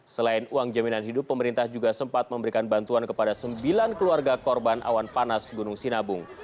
selain uang jaminan hidup pemerintah juga sempat memberikan bantuan kepada sembilan keluarga korban awan panas gunung sinabung